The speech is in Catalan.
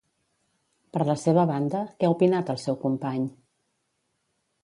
Per la seva banda, què ha opinat el seu company?